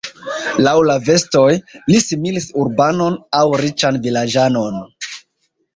Laŭ la vestoj, li similis urbanon aŭ riĉan vilaĝanon.